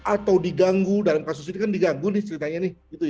atau diganggu dalam kasus ini kan diganggu nih ceritanya nih